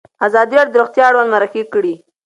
ازادي راډیو د روغتیا اړوند مرکې کړي.